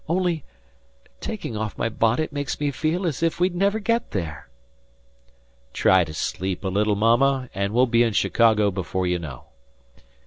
Only taking off my bonnet makes me feel as if we'd never get there." "Try to sleep a little, Mama, and we'll be in Chicago before you know."